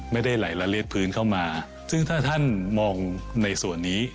ไม่ได้ไหลละเลียดพื้นเข้ามาซึ่งถ้าท่านมองในส่วนนี้